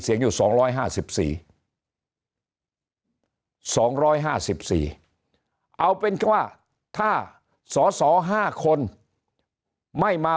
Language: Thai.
เสียงอยู่สองร้อยห้าสิบสี่สองร้อยห้าสิบสี่เอาเป็นคือว่าถ้าสอสอห้าคนไม่มา